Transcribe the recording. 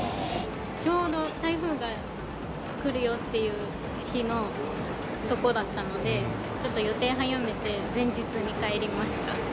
ちょうど台風が来るよっていう日のところだったので、ちょっと予定早めて、前日に帰りました。